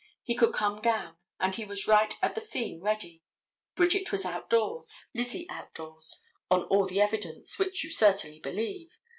He could come down, and he was right at the scene ready. Bridget was outdoors, Lizzie outdoors, on all the evidence, which you certainly believe.